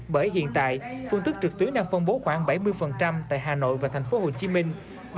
bởi hiện tại phương tức trực tuyến đã phân bố khoảng bảy mươi tại hà nội và thành phố hồ chí minh